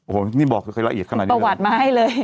โอ้โหนี่บอกใครละเอียดขนาดนี้เลยนะครับมีประวัติมาให้เลย